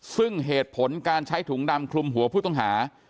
ซึ่งเหตุผลการใช้ถุงดำคลุมหัวผู้ต้องหา